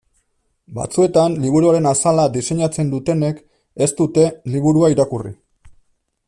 Batzuetan liburuaren azala diseinatzen dutenek ez dute liburua irakurri.